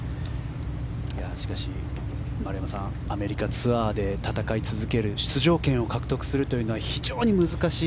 しかし、丸山さんアメリカツアーで戦い続ける出場権を獲得するというのは非常に難しい。